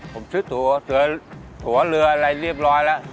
ผมซื้อตัวเรืออะไรเรียบร้อยแล้ว